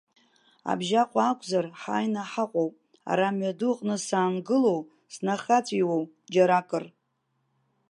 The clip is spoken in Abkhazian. Абжьаҟәа акәзар, ҳааины ҳаҟоуп, ара амҩаду аҟны саангылоу, снахаҵәиуоу џьаракыр?